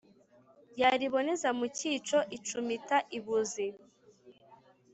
Yariboneza mu cyico icumita i Buzi,